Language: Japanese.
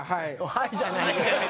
「はい」じゃないよ。